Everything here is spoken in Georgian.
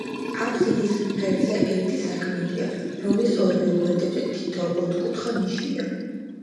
აფსიდის ღერძზე ერთი სარკმელია, რომლის ორივე გვერდებზე თითო ოთხკუთხა ნიშია.